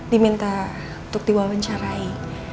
diminta untuk diwawancarai